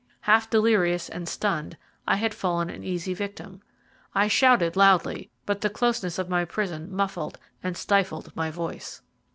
Half delirious and stunned, I had fallen an easy victim. I shouted loudly, but the closeness of my prison muffled and stifled my voice.